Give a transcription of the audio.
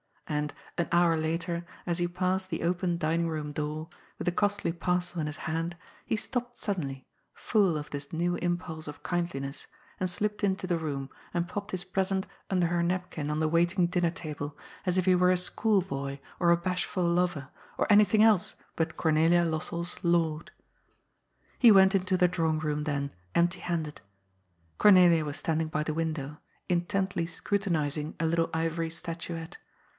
And, an hour later, as he passed the open dining room door, with the costly parcel in his hand, he stopped suddenly, full of this new impulse of kindliness, and slipped into the room and popped his present under her napkin on the waiting dinner table, as if he were a school boy or a bashful lover, or anything else but Cornelia Los sell's lord. He went into the drawing room then, empty handed. Cornelia was standing by the window, intently scrutinizing a little ivory statuette.